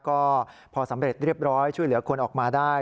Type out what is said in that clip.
ก็พอสำเร็จเรียบร้อยช่วยเหลือคนออกมาได้